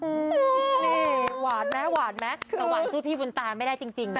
นี่หวาดมั้ยหวาดมั้ยสะหว่างสู้พี่บุญตาไม่ได้จริงนะคะ